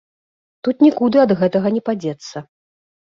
Тут нікуды ад гэтага не падзецца.